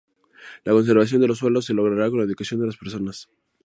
La conservación de los suelos se logrará con la educación de las personas.